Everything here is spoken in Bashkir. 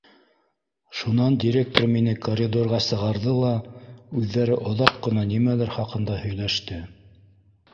Шунан директор мине коридорға сығарҙы ла, үҙҙәре оҙаҡ ҡына нимәлер хаҡында һөйләште.